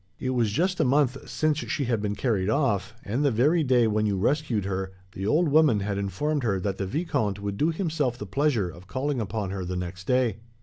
"It was just a month since she had been carried off, and, the very day when you rescued her, the old woman had informed her that the vicomte would do himself the pleasure of calling upon her the next day.